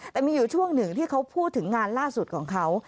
แต่มีอยู่ช่วงหนึ่งที่เขาพูดถึงงานล่าสุดของเขา